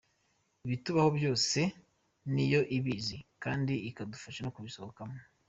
Ibitubaho byose niyo ibizi kandi ikadufasha no kubisohokamo.